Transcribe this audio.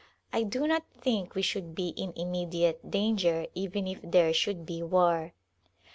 I do not think we should be in immediate danger even if there should be war.